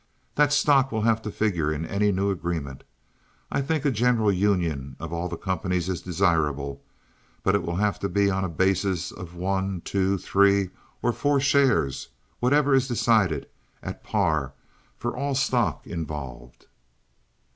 "That stock will have to figure in any new agreement. I think a general union of all the companies is desirable, but it will have to be on a basis of one, two, three, or four shares—whatever is decided—at par for all stock involved."